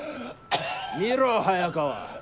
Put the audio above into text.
見ろ早川。